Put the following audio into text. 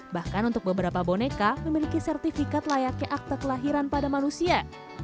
bahkan untuk beberapa boneka memiliki sertifikat layaknya akte kelahiran pada manusia